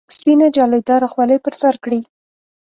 سپینه جالۍ داره خولۍ پر سر کړي.